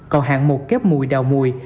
còn hạng mục kép mùi đào mùi